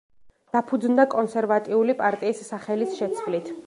დაფუძნდა კონსერვატიული პარტიის სახელის შეცვლით.